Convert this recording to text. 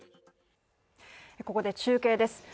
ここで中継です。